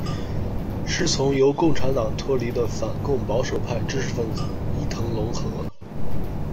师从由共产党脱离的反共保守派知识份子伊藤隆和。